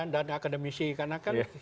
dan akademisi karena kan